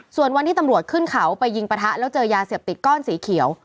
ส่วนวันที่ตำรวจขึ้นเขาไปยิงปะทะแล้วเจอยาเสพติดก้อนสีเขียว